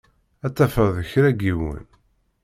Ad tafeḍ kra n yiwen.